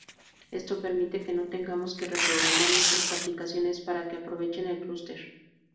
Esto permite que no tengamos que reprogramar nuestras aplicaciones para que aprovechen el cluster.